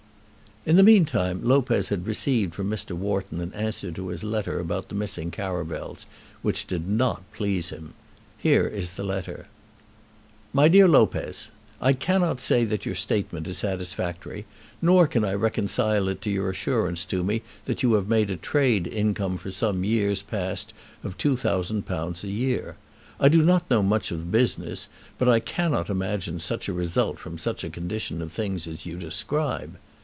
In the meantime Lopez had received from Mr. Wharton an answer to his letter about the missing caravels, which did not please him. Here is the letter: MY DEAR LOPEZ, I cannot say that your statement is satisfactory, nor can I reconcile it to your assurance to me that you have made a trade income for some years past of £2000 a year. I do not know much of business, but I cannot imagine such a result from such a condition of things as you describe.